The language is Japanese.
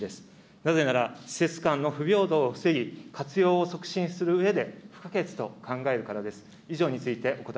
なぜなら施設間の不平等を防ぎ、活用を促進するうえで不可欠と考えるからです。